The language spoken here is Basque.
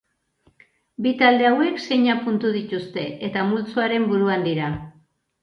Bi talde hauek seina puntu dituzte, eta multzoaren buruan dira.